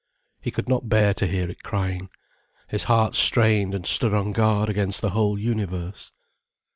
He could not bear to hear it crying. His heart strained and stood on guard against the whole universe.